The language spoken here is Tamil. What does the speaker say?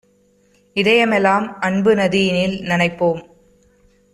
இதயமெலாம் அன்பு நதியினில் நனைப்போம்